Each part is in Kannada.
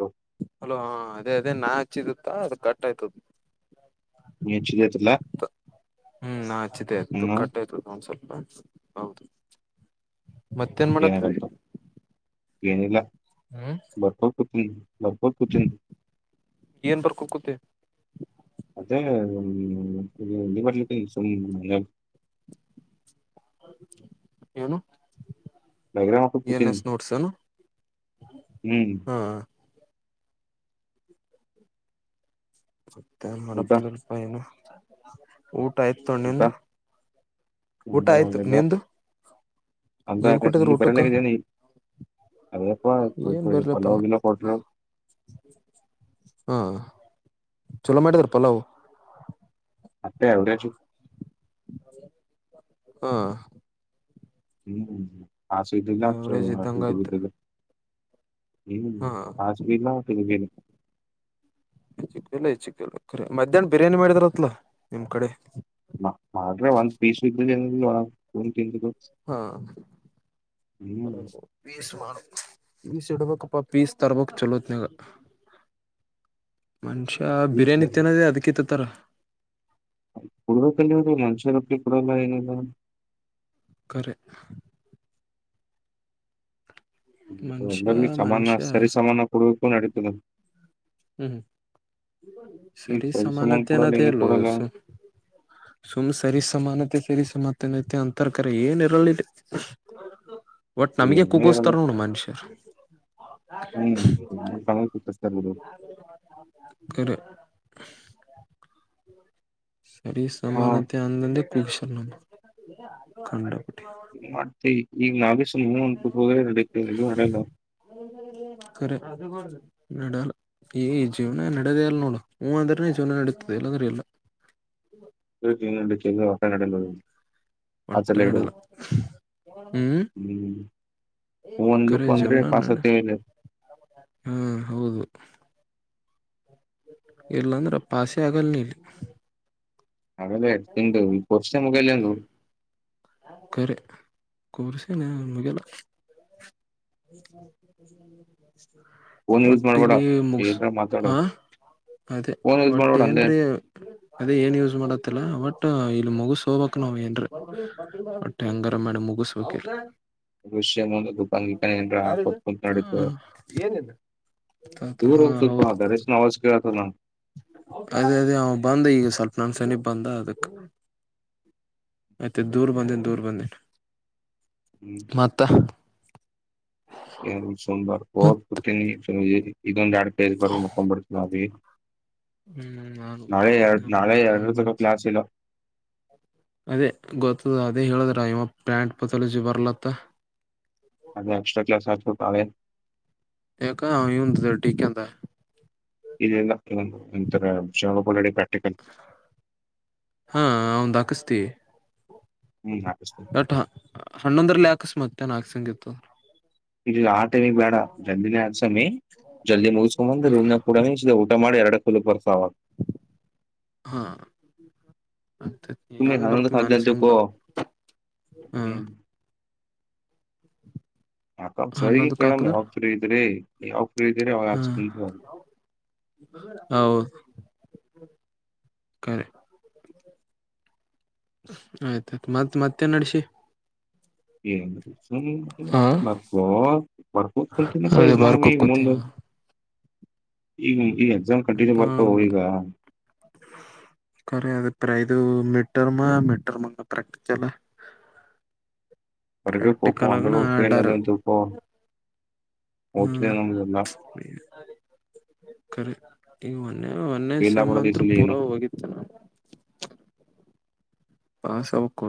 ಹ ಅಲೋ ಹ ಅದೇ ಅದೇ ನಾ ಹಚ್ಚಿದತ್ತಾ ಅದು ಕಟ್ ಆಯ್ತದ ನೀ ಹಚ್ಚಿದೈತ್ರಲ್ಲ ಹೂ ನಾ ಚಿದ್ದ ಆಯ್ತು ಹ್ಮ ಕಟ್ಟಾಯಯ್ತು ಒಂದ್ ಸ್ವಲ್ಪ ಬ್ಯಾಂಕ್ಸ್ ಹೌದು ಮತ್ತೇನ್ ಮಾಡತ್ತರಿ ಏನಾರಂತ ಏನಿಲ್ಲ ಹೂ ಭರ್ಪೂರ್ ಕುಟ ಭರ್ಪೂರ್ ಕುಟ ಏನ್ ಬರ್ಕೋ ಕೂತಿ ಅದೇ್ಮ ಎ ಬರಲಿಸ ಏನು ಡೈಗ್ರಾಮ್ ಹಾಕೋತ್ ಏನ್ ಕೂತೀನಿ ಎಸ್ ನೋಡ್ಸನು ಹ್ಮ್ ಹಾ ಮತ್ತೆ ಊಟ ಮಾಡಪಿಲ್ಲಲ್ಪ ಏನು ಊಟ ಆಯ್ತು ಊಟ ತೊೊಂಡ್ಣಂದು ಊಟ ಆಯ್ತು ನಿಂದು ಅಂತ ಏನ್ ಕೊಟ್ಟಿದ್ರ ನೀ ಊಟಕ್ಕ ಪರಲಕ್ಕೆನ ಅದೆಯಪ್ಪ ಏನ್ ಬರ್ಲಪ್ಪ ಪಲೋಗಲ ಕೊಡ್ ಹಾ ಚಲೋ ಮಾಡಿದಾರಪ್ಪ ಪಲ್ಲವ ಅತ್ತೆ ಆವರೇಜ್ ಹಾ ಹೂ ಹಸಿ ದಲ್ಲ ಎವರೇಜ್ ಇದ್ದಂಗ ಆಯ್ತು ಹೂ ಹಾ ಹಾಸಿವ ಇಲ್ಲ ತಿಬೇನೆ ಚಲ್ಲ ಈ ಚಿಕ್ಕಖರಿ ಮಧ್ಯಾಹ್ನ ಬಿರಿಯಾನಿ ಮಾಡಿದರತ್ಲ ನಿಮ್ ಕಡೆ ಮಾಡ್ರೆ ಒಂದ್ ಪೀಸ್ ಇದ್ದ ಫುಲ್ ತಿಂದು ಹಾ ಹ್ಮ್ ಪೀಸ್ ಮಾಡು ಪೀಸ್ ಇಡ್ಬೇಕಪ್ಪ ಪೀಸ್ ತರ್ಬೇಕಕ್ ಚಲೋತ್ನಾಗ ಮನುಷ್ಯ ಪೀಸ್ ಬಿರಿಯಾನಿ ಇತ್ತನದ ಅದಕಿತ್ತತ್ತರ ಕುಡ ನೀ್ರ ಮನುಷ್ಯ ರೊಟ್ಟಿ ಕೊಡಲ್ಲ ಏನಲ್ಲ ಕರೆ ಮನುಷ್ಯ ಎಲ್ಲ ಸಮಾನ ಮನುಷ್ಯ ಸರಿ ಸಮಾನ ಕುಡುವಕ್ಕ ನಡತನ ಹೂ ಈ ಸರಿ ಸಮಾನ ಸಮನೆಂತೆ ಕೊಡಲ್ಲ ಏನೋದೇ ಏನು ಇಲ್ಲೋ ಕೊಡಲ್ಲ ಸುಮ್ ಸರಿ ಸಮಾನತೆ ಸರಿ ಸಮಾನತನೈತೆ ಅಂತರ್ ಕರ ಏನ್ ಇರಲಿಟ ಒಟ್ ನಮಗೆ ಏನ ಇರಲ್ಲ ಕಗಸ್ತಾರ ನೋಡು ಮನುಷ್ಯರ್ ಹೂ ಕಿಸತಾ ಇರೋದು ಕರೆ ಸರಿ ಹ ಸಮಾನತೆ ಅಂದಂದೆ ಕುಳಿಸ ನಮ್ಮ ಂಡಪಟ್ಟಿ ಮಾಡ್ತ ಈಗ ನಾವೇಶಸ ಮುಂದಬು ಹೋಗದ ಎಲ್ಲ ಅಲ್ಲ ಕರೆ ಅದು ಕೂಡ ನಡಲ್ಲ ಈ ಜೀವನ ನಡದೆ ಅಲ್ಲ ನೋಡು ಹೂ ಅಂದ್ರೆ ಜೀವನ ನಡೀತದೆ ಇಲ್ಲಂದ್ರೆ ಇಲ್ಲ ಹೊೆ ನಡೆಲ್ಲ ಆ ಒಟ್ಟ ಚೆಲ್ಲ ಇಡುು ನಡೆಲ್ಲ ಹ್ಮ್ ಒಂದುಖ ಅಂದ್ರೆ [unintelligible] ಹ್ಮ್ ಹೌದು. ಇಲ್ಲ ಅಂದ್ರ ಆ ಪಾಸೆ ಆಗಲ್ ನಿ. [unintelligible] ಕರೆ ಕೋರ್ಸ್ ಏನ್ ಮುಗಿಯಲ್ಲ. ಫೋನ್ ಯೂಸ್ ಮಾಡ್ಬೇಡ ಒಟ್ಟಿಲಿ ಮುಗಸ ಏನ್ರ ಮಾತಾಡು ಹಾ, ಅದೇ ಫೋನ್ ಯೂಸ್ ಒಟ್ಟ ಮಾಡ್ಬೇಡ ಅಂದೆ ಏನರೇ, ಅದೆ ಏನ್ ಯೂಸ್ ಮಾಡತ್ತಲ್ಲ ಒಟ್ ಇಲ್ಲಿ ಮುಗ್ಸ ಹೋಗ್ಬೇಕ್ ನಾವು ಏನರೇ, ಹೊಟ್ಟ ಹೆಂಗರ ಮಾಡಿ ಮುಗಸ ಹೋಗ್ಬೇಕ. [unintelligible] ದೂರ ಹಾ ಒಂದ್ ಸ್ವಲ್ಪ್ ಹೌದು ಬರೆಷ್ಟ ನೋ ವಾಯ್ಸ್ ಕೇಳ್ತದ. ಅದೇ ಅದೇ ಅವ ಬಂದ ಈಗ ಸ್ವಲ್ಪ ನನ್ ಸನಿಪ ಬಂದ ಅದಕ್, ಮತ್ತು ದೂರ ಬಂದೀನಿ ದೂರ ಬಂದೀನಿ. ಹ್ಮ್, ಮತ್ತ, ಎರಡ ನಿಮಿಷ ಅಂದ್ರಾ ಮತ್ ಓದ್ಕೊತೀನಿ. [unintelligible] ಇದು ಒಂದ್ ಎರ್ಡ್ [unintelligible] ಹ್ಮ್ ಹ್ಮ್ ಆದ್ವು ಇದು ಮುಗಿತ್ ಅಂದ್ರ ಎರಡರ ತಕ ಮುಗಿತ್. ಕ್ಲಾಸ್ ಇಲ್ಲ ಅದೇ ಗೊತ್ತದ ಅದೇ ಹೇಳುದ್ರ ಇವ ಪ್ಯಾಂಟ್ ಪತಲಜಿ ಬರ್ಲತ್ತ, ಅದೇ ಎಕ್ಸ್ಟ್ರಾಕ್ಲಾಸ್ [unintelligible] ಯಾಕ [unintelligible] [unintelligible] ವಿಷಯ ಪಲ್ಡಿ ಪ್ರಾಕ್ಟಿಕಲ್ ಹಾಂ ಆವಂದ್ ಹಾಕ್ಸತಿ, ಹ್ಮ್ ಹಾಕ್ಸುತಿನಿ. ಬಟ್ ಹನೋದರ್ಲೆ ಹಾಕ್ಸ್ ಮತ್ತ ಹಾಕ್ಸಂಗಿತ್ತ. ಇಲ್ಲ ಆ ಟೈಮ್ಗಿ ಬೇಡ ಜಲ್ದಿನೇ ಹಾಕ್ಸಮೀ. ಜಲ್ದಿ ಮುಗ್ಕೊಂಬಂದ್ ರೂಮ್ನಗ ಕೂಡ ಊಟ ಮಾಡಿ ಎರಡು ಫಲ್ [unintelligible] ಹ್ಮ್. ಮತ್ತ್ ಸುಮ್ನೆ ಎಂಗ್ ಹನ್ನೊಂದಕ್ ಬರ್ತದ ಮನ್ಸ್ ಎಂಗ್ ಹದ್ನೈದಕ್ಕೋ ಬರ್ತ್ ಹ್ಮ್. ಆಯ್ತ್ ಸರ್ಗಿ ಕೇಳಮ್ಮ್ ಯಾವಾಗ್ ಫ್ರೀ ಇದ್ದೀರಿ. ಹ್ಮ್ ಹೌದು, ಖರೆ ಆಯ್ತ ಆಯ್ತು ಮತ್ತ್ ಮತ್ತೆ ನಡ್ಸಿ, [unintelligible] ಈ ಹಾ ಅದೇ ಬಾರ್ ಕೂತ್ಕೋತಿ ಈ ಎಕ್ಸಾಮ್ ಕಂಟಿನ್ಯೂ ಬರ್ತಾವ ಈಗ, ಕರಿ ಅದ ಪ್ರ ಇದು ಮೀಟರ್ ಮೀಟರ್ ಮ ಪ್ರಕ್ಟ ಚಲ್ಲ, ಬರ್ಬೇಕು ಒಪ್ಪೋ ಪ್ರಾಕ್ಟಿಕಲ್ ಆಗನ ಅಂದ್ರೂ ಫೇಲ್ ಆರ್ಡರ್ ಅದಂತ ಒಪ್ಪೋ ಓದ್ತಿದೆ ಹ್ಮ್ ನಮ್ಗೆಲ್ಲ ಕ ಕರೆಕ್ಟ್ ಈಗ ಒನ್ನೆ ಒನ್ನೇ ಫೇಲ್ ಸೇಮ್ ಆಗ್ಬಿಡೋದು ಈ ಅಂತರು ಸಲಿ ಏನು ಪೂರಾ ಹೋಗ [inaudible] ಪಾಸ್ ಆಗ್ಬೇಕು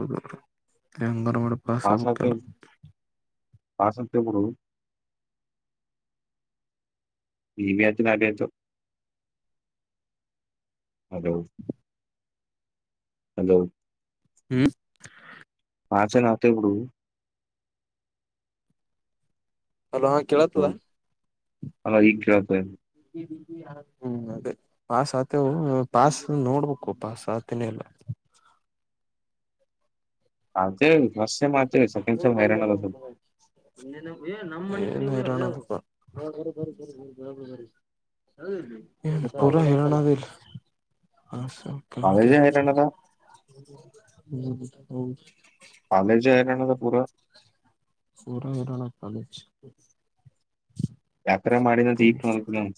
ಎಂಗನ ಮಾಡಿ. ಪಾಸ್ ಆಗತೀನಿ ಪಾಸ್ ಆಗತೀವಿ ಬಿಡು. [unintelligible] ಹಲೋ, ಹ್ಮ, ಪಾಸ್ ಏನ್ ಆತಿವಿ ಬಿಡು. ಹಲೋ ಹೌ- ಕೇಳತದಾ, ಅಲ್ಲ ಈಗ ಕೇಳ್ತ ಹು ಅದೇ ಪಾಸ್ ಆತವು ಪಾಸ್ ನೋಡ್ಬೇಕು ಪಾಸ್ ಆತನೆ ಇಲ್ಲ. ಆಗತಿ ಫಸ್ಟ್ ಸಟೈಮ ಆ ಸೆಂಡ್ ಸೈಮ ಹೈರಾಣ ಬು. [inaudible] ಏನಪ್ಪಿ ಎ ನಮ್ಮ ಮನಿ ಹೈರಾನಾತಪ್ಪಾ ಹೊಲಬಿಡು ಬರಿ ಬರಿ ಬರಿ ಬಡಾ ಬಡಾ ಬರಿ. ಅವಾ ಎಲ್ಲಿ ಸ್ವಲ್ಪ ಪುರಾಹೈರಾಣ ಆಗೇತಿ ಹಾ ಸ ಕೆ ಕೆ. ಕಾಲೇಜೇ ಹೈರಾಣ ಅದ ಹು ಹೌ. ಕಾಲೇಜ ಹೈರಾನದ ಪೂರ. ಪುರಾ ಹೈರಾಣ ಆತ ಕಾಲೇಜ್. ಯಾಕರ ಮಾಡೇನಿ ಇಗ ಕಾಣಾಕತೇತಿ ಅವಂಗ.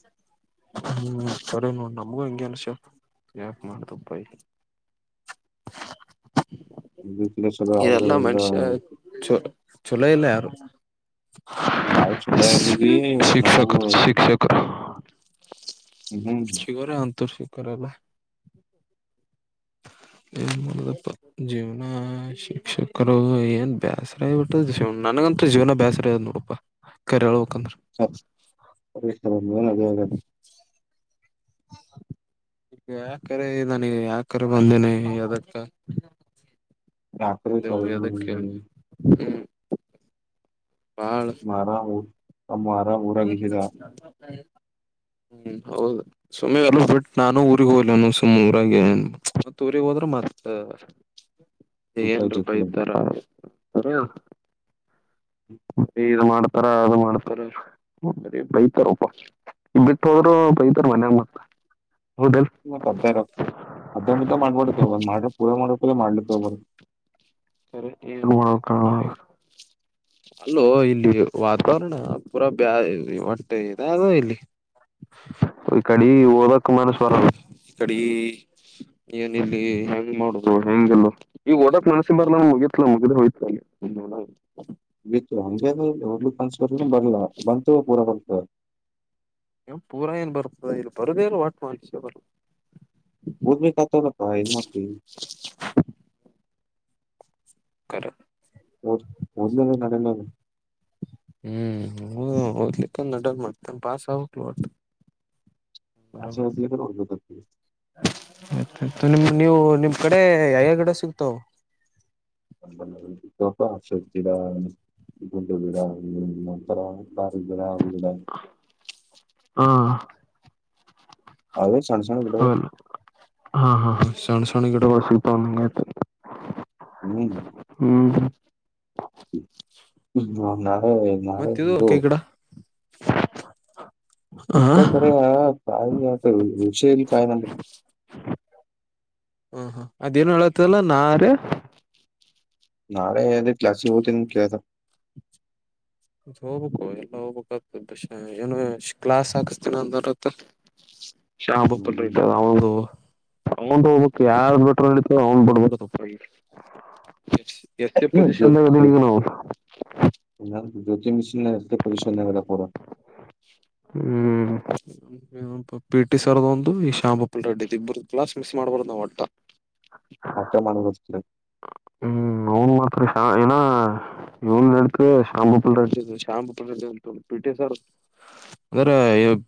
ಹು ಸರಿ ನೋಡ ನಮಗೂ ಹಂಗೆ ಅನ್ಸ ಯಾಕ ಮಾಡ್ದಪ್ಪಾಯ. ಇಬ್ಬರು ಕೂಡ ಸಲವಾಗಿ ಅವಂಗ ಇದೆಲ್ಲಾ ಇವಂಗ. ಮನುಷ್ಯ ಚೊ ಚೊಲೋ ಇಲ್ಲ ಯಾರು. ನಾವ ಚೊಲೊಲ್ಲವಿ ನಮಗೂ ಪೆಕ್ಕು. ಹ್ಮ್ ಹ್ಮ್ ಶಿವರ ಅಂತೂ ಶ್ರೀಖರ ಅಲ್ಲಾ. ಏನು ಮಾಡುದಪ್ಪಾ. ಜೀವನಾ ಶಿಕ್ಷಕರು ಏನ್ ಬ್ಯಾಸರ ಆಬಿಟ್ಟ ನನಗಂತ ಜೀವನ ಬ್ಯಾಸರ ಟ್ಟೇತಿ ಬಿಡುಪಾ ಕರೆ ಹೇಳಬೇಕಂದ್ರ. ಸಪ್ಸ್ ಹರೀಶ್ಮೊಳರಿಯಾಗ ಯಾಕಾರೆ ನನಗ ಯಾಕರೆ ಬಂದೆನೆ ಅದಕ್ಕ. ರಾತ್ರಿ ಮುಂದೆ ಕಾಲೇಜ್ ಹೋಗೋದಿಕ್ಕೆ ಹು ಮಾರಾಮು ನಮ್ಮ ಮಾರಾಮ ಊರಾಗದ್ದಿದ್ರ. ತೊಂಬತೈದು. ಹು ಹೌದು ಸುಮ್ಮ್ ಎಲ್ಲ ಬಿಟ್ ನಾನು ಊರಿಗೆ ಹೋಗ್ಲೇನು ಸುಮ್ಮ ಊರಾಗ ಮತ್ತ ಊರಿಗೆ ಹೋದ್ರೆ ಮತ್ತ ಊಟ ಎಂಡ್ರಿ ಪಾ ಜೊತೆ ಇತರಾ. ಹು ಫೇಲ್ ಮಾಡ್ತಾರ ಅದು ಮಾಡ್ತಾರ ಬರಿ ಬೈತಾರಪ್ಪ. ಬಿಟ್ಟ ಹೋದ್ರು ಬೈತಾರ ಮನ್ಯಾಗ ಮತ್ತ ಹೌದಲ್ ಮತ್ತ ಅಪಡೇಟ್ ಅಪಡೇಟ್ ಅಷ್ಟ ಮಡಬೀಡ್ರಿ ನೀವು ಮಾಡಿದ್ರ ಪುರ ಮಾಡಬೇಕು ಮಾಡ್ಲಿಕ್ ಬಿಡ. ಕರೆಂಟ್ ಇಗ ಹೋಗಬೇಕಾ. ಅಲ್ಲೋ ಇಲ್ಲಿ ವಾತಾವರಣಾ ಪೂರಾ ಬ್ಯಾ ಓಟ್ಟೆ ಏನಾರ ಅದ ಇಲ್ಲಿ. ಈ ಕಡೆ ಓದ ಕುಮಾರಸ್ರಂ ಈ ಕಡೆ ಏನ ಇಲ್ಲಿ ಹೆಂಗ್ ಮಾಡುದು ಹೆಂಗ ಈಗ ಓದಕ್ ಸುಮ್ಮ್ನೆಬ್ರಲ್ ಮುಗತ್ಲ ಮುಗಿದ್ ಹೋಯ್ ಬಿತ್ತು ಹಂಗಯಾಕ್ ಅಂತಿಯೂ ಒಬ್ ಕನ್ಸ್ಕರ್ ಬರ್ಲ್ಲ ಬಂತವ ಪೂರಾ ಬರ್ತ ಪೂರ ಏನ್ ಬರತ್ತದ ಇಲ್ಲಿ ಬರಬೆಕು ವಟ್ ಒನ್ ಸೇಬಲ್ ಊರ್ ಬಿಟ್ಟ ಹಾಕೇವರೇ ಅಪ್ಪಾ ಏನು ಮಾಡತಿ. ಕರೆ ಓದ್ ಓದ್ಲಿಲ್ಲ ನಡೆಲ್ಲಲ್ಲ. ಹು ಓದ್ಲಿಕ್ಕಂದ ನಡಲ್ಲ ಮಡ್ತ ಪಾಸ್ ಆಗಬೇಕಲ್ಲ ಒಟ್ಟ. ಆಚೆ ಹೋಗ್ಲಿಕರ ಓದಬೇಕಂತೇವಿ. ಆಯ್ತಯ್ ನಿಮ್ ನೀವು ನಿಮ್ ಕಡೆ ಯಾವ್ಯ ಗಿಡ ಸಿಗ್ತಾವ ಜಂಗಲ್ನ್ಯಾಗ ಸಿಗತಾವಪ್ಪಾ ಗಿಡಾ. ಇಡ ಅತ್ರ ಪ್ರಾರ್ದರಡ ಹಾ ಅವೇ ಸಣ್ಣ ಸಣ್ಣವ. ಅದಲ್ಲ ಹಾ ಹಾ ಹಾ ವಿ ಚಾನ್ಸಣ ಈಗಡೆ ವಾಸಂದ ಹ್ಮ್ ಹ್ಮ್ ಹ್ಮ ಹ್ಮ ನಾವೆ ಮತ್ತ ಇದು ಕ ಈ ಕಡ ಇಪ್ಪ ಕೆಯ ಕಾಯ ವಿಷಲಿ ಕಾಯನ ಹ್ಮ ಹಾ ಅದೇನ್ ಹೇಳತಲ್ಲ ನಾರ ನಾಳೆ ಅ ಕ್ಲಾಸಸ್ಿಗೆ ಹ್ತೀನಿ ಕೇಳತ ಹೋಗ್ಬೇಕು ಎಲ್ಲಾ ಹೋಗ್ಬೇಕುತ ಏನು ಕ್ಲಾಸ್ ಹಾಕಿಸಸ್ತೀನ ಅಂದ ಶಪ ಹ್ಮ್ ಪಡದು ಅವನ್ ಹೋಗ್ಬೇಕಕ್ ಯಾರ್ ಬಿಟ್ರ ನಡತ ಅವ್ನ್ ಬಿಡ್ಬೇಕ ತಪ್ಪ ಎಸ್ ಎ ಹ್ಮ್ ಜೊ ಜೊ ಪೊಸಿಷನ್ಂದಣವು ಜ್ಯೋತಿ ಮಿಶನ್ ಪೊಜಿಶನ್ ಕೊರ ಹ್ಮ್ ಪಿಟಿ ಸರ್ದ ಒಂದು ಈ ಶಾಂಬಪ್ಪ ರಡ್ಡಿ ಇಬ್ಬರು ಕ್ಸ್ ಮಿಸ್ ಮಾಡ್ಬಾರದು ನಾ್ ಒಟ್ಟ [inaudible] ಅವಕಮಾನಗ ಹ್ಮ್ ಹ ಮಾಡ್ತಏ ಇ ನಡತೆ ಶಾಂಬು ಪಿಲ್ ಶಾಂಬು ಪ ಪಟರ್ ಅಂದ್ರೆ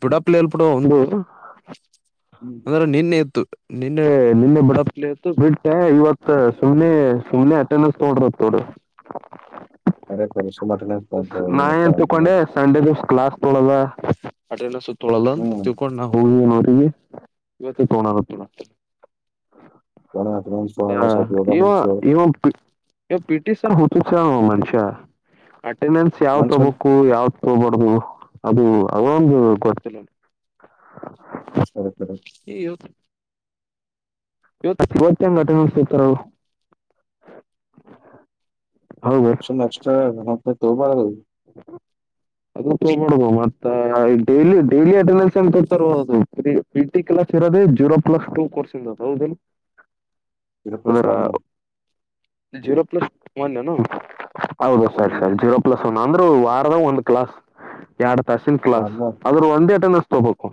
ಪಿಡಾ ಪಲಲ್ ಪುಡು ಒಂದು ಅಂದ್ರೆ ನಿನ್ನೆ ಇತ್ತು ನಿನ್ನೆ ನಿನ್ನೆ ಬಡಪಲಿ ಇತ್ತು ಬಿಟ್ಟ ಇವತ್ತು ಸುಮ್ನೆ ಸುಮ್ನೆ ಅಟೆಂಡನ್ಸ್ ನೋಡ್ರೋಡ ಅ ಸುಮಾರ ತೊಂಡ ಏನ್ ಇವ ತಿಳ್ಕೊಂಡೆ ಸಂಡೆ ದ ಕ್ಲಾಸ್ ತೊಳಲ್ಲ ಅಟೆಂಡನ್ಸ್ ತೊಳಲ್ಲ ಅಂತ ತಿಕೊಂಡ್ ನಾವು ಹೋಗವಿ ನೋರಿಗೆ ವತಿತ ಹನ ತು ಆ ಮಾಡಸ [unintelligible] ಇ ಪಿಟಿ ಸನ್ ಹೊತ್ತು ಸ ಮನಷಾ ಅಟೆಂಡೆನ್ಸ್ ಯಾವ್ ಮನ್ಸಲ್ ತೊಗಬೇಕು ಯಾವ ಹೋಗ್ಬಾರ್ದು ಅದು ಅವೊಂದು ಗೊತ್ತಿಲ್ಲ ಹಓ ಸ ಏ್ವತ್ತು ಇವತ್ತು ಇವತ್ತು ಏನ ಆಟ ಅಡಸಿತಾರ ಅವವು ಹೌದು ಎನ್ ಎಕ್ಸ್ಟ್ರಾ ತೋ ಬ ಅದೈ ಮಾಡಬ ಮತ್ತ ಡಲಿ ಡೈಲಿ ಅಟೆಂಡನ್ಸ್ ಎ ತತರ್ಬೋದು ಅದು ಟಿ ಕ್ಲಾಸ್ ಇರೋದೆ ಜೀರೋ ಪ್ಲಸ್ ಟ ಕೋರ್ಸ ಇ ಹೌದ ಇರಪ್ಲಸ್ ಅದರ ವಾರ್ನ ಜೀರೋ ಪ್ಲಸ್ ಒನ್ ಏನು ಹೌದು ಸರಿ ಹ್ಮ್ ಸರಿ ಜೀರೋ ಪ್ಲಸ್ ಒಂದ ಅಂದ್ರ ವಾರದ ಒಂದು ಕ್ಲಾಸ್ ಎರಡು ತಸಿನ ಕ್ಲಾಸ್ ವಾರ್ನ ಆದ್ರ ಒಂದೇ ಅಟೆಂಡನ್ಸ್ ತಗಬೇಕು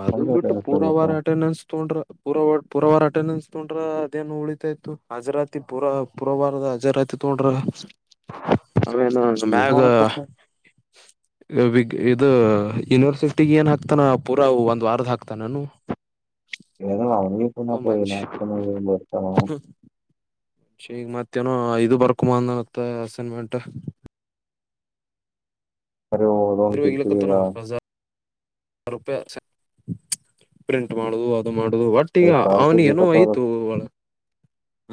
ಅದ ಹಂಗೆ ಬಿಟ್ಟು ಪೂರ ತಗೋಬೇಕು ವಾರ ಅಟೆಂಡನ್ಸ್ ತೊಂಡ್ರ ಪುರ ಪುರವಾರ ಅಟೆಂಡೆನ್ಸ್ ತೊೊಂಡ್ರ ಅದೇನು ಉಳಿತಾ ಇತ್ತು ಹಜರಾತಿ ಪುರ ಪುರವಾರದ ಹಜರಾ ತೋೊಂಡ್ರ ಅವನು ಏನ್ ಮ್ಯಾಗ ಮಾಡಕಪ್ಪ ಗ್ ಇದು ಯೂನಿವರ್ಸಿಟಿಗ ಏನ್ ಹಾಕ್ತಾನ ಪೂರಾ ಒಂದ್ ವಾರದ ಹಾಕ್ತಾನನು ಏನಲ್ಲ ಅವನಿಗೆಣಿ ಮನುಷ್ಯ ನಾಕರ್ತ ಶೇಗ ಮತ್ತೇನೋ ಐದು ಬರ್ಕು ಮಾಂದತ್ತ ಅಸೈನ್ಮೆಂಟ್ ಕರೆ ಓದೋನ್ ತಿರ್ತಿದೀಗ [unintelligible] ರೂಪಾಯಿ ಪ್ರಿಂಟ್ ಮಾಡುದು ಅದು ಮಾಡುದು ಒಟ್ ಮಟ್ಟಗ ಎರಡು ಸಾವಿರ ಅವನಿ ರೂಪಾಯಿ ಏನೋ ಬೇಕತ್ತ ಆಯ್ತು ಅವ್ರಗ್ ಅವಳ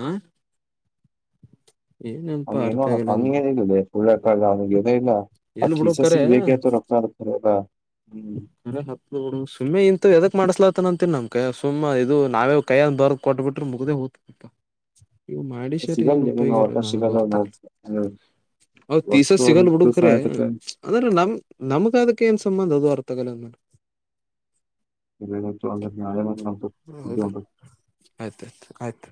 ಹ ಏನನ್ಪಾ ಅಮ್ಮ ಅರ್ಥ ಏನೋ ಆಗಲ್ಲ ಕಮ್ಮಿನಗಿದೆ ಒಳ್ಳ ಕನ ಇಲ್ಲ ಎಲ್ ಬಿಡು ಕರೆ [inaudible] ಹ್ಮ್ ಸ ಹತ್ತು ಸುಮ್ಮನೆ ಇಂತು ಎದಕ್ ಮಾಡ್ಸಲಾತನ ಅಂತಿನ್ ನಮ್ ಕ ಸುಮ್ಮ್ ಇದು ನಾವೇ ಕೈಯ ಬರ್ ಕೊಟ್ಬಿಟ್ಟ್ರೆ ಮುಗದೆೇ ಹದ ಪಪ್ಪಾ ನೀವು ಮಾಡಿ ಸರಿ ಸಿಗಲ್ಲ ಏನ್ ನಿಂಗ ಉಪಯೋಗಿಲ್ಲ ಒಟ್ಟ ನನಗ ಸಿಗಲ್ಲ ನೋಡ್ ಹೊರ್ತಕ್ಲ ಹ್ಮ್. ಹೌದ ತಿಸ್ಸ ಸಿಗಲ್ ವಸ್ತು ಕರೆ ಸಹಾಯತಕ್ಕ ಅಂದ್ರೆ ನಮ್ ನಮಗ ಅದಕ್ಕೆ ಏನ್ ಸಂಬಂಧ ಅದು ಅರ್ಥಗಲ್ಲ ಅಂದ ಮಾಡಡ [unintelligible] ಆಯ್ತಾ ಆಯ್ತು